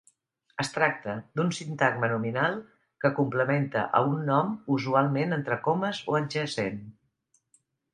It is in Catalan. Es tracta d'un sintagma nominal que complementa a un nom, usualment entre comes o adjacent.